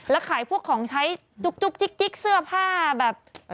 แล้วขายพวกของใช้จุ๊กจิ๊กเสื้อผ้าแบบ